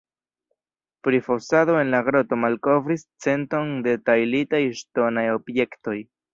Prifosado en la groto malkovris centon da tajlitaj ŝtonaj objektoj.